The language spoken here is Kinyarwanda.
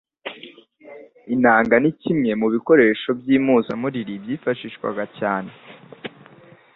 Inanga ni kimwe mu bikoresho by'impuzamuriri byifashishwaga cyane